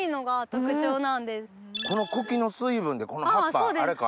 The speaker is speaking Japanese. この茎の水分でこの葉っぱあれか。